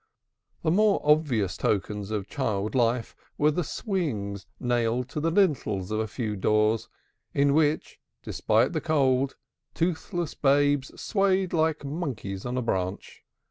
More obvious tokens of child life were the swings nailed to the lintels of a few doors, in which, despite the cold, toothless babes swayed like monkeys on a branch.